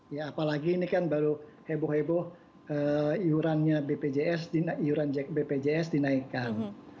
ya apalagi ini kan baru heboh heboh iurannya bpjs bpjs dinaikkan